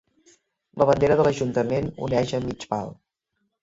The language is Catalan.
La bandera de l’ajuntament oneja a mig pal.